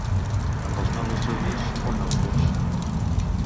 Amb els nous estudis, un nou curs.